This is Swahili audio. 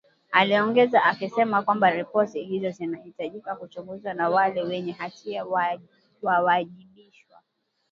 aliongeza akisema kwamba ripoti hizo zinahitaji kuchunguzwa na wale wenye hatia wawajibishwe